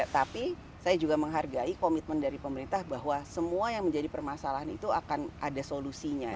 tapi saya juga menghargai komitmen dari pemerintah bahwa semua yang menjadi permasalahan itu akan ada solusinya